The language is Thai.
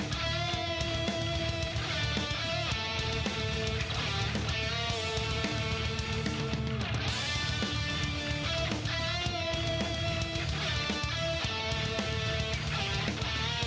สวัสดีครับ